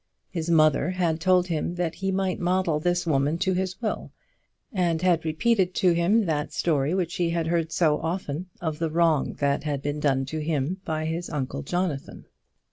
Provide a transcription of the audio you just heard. His mother had told him that he might model this woman to his will, and had repeated to him that story which he had heard so often of the wrong that had been done to him by his uncle Jonathan.